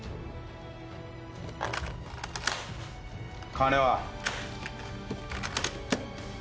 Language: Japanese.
金は？